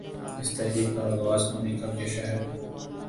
اس تحریک کا آغاز امریکہ کہ شہر